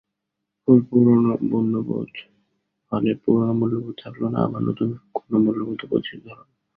ফলে পুরোনো মূল্যবোধগুলো থাকল না, আবার নতুন কোনো মূল্যবোধও প্রতিষ্ঠিত হলো না।